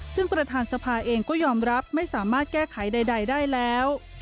ซึ่งประธานสภาเองก็ยอมรับไม่สามารถแก้ไขใดได้แล้ว